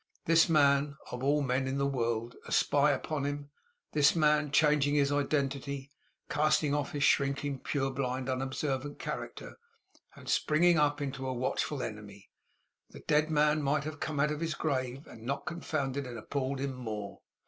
This man, of all men in the world, a spy upon him; this man, changing his identity; casting off his shrinking, purblind, unobservant character, and springing up into a watchful enemy! The dead man might have come out of his grave, and not confounded and appalled him more.